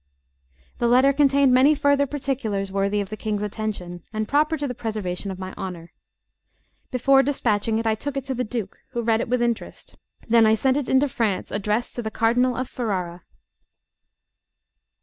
The letter contained many further particulars worthy of the King's attention, and proper to the preservation of my honour. Before despatching it, I took it to the Duke, who read it with interest; then I sent it into France, addressed to the Cardinal of Ferrara.